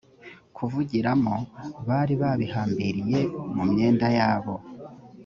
kuvugiramo bari babihambiriye mu myenda yabo